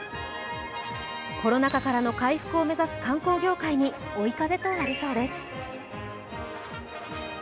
コロナ禍からの回復を目指す観光業界に追い風となりそうです。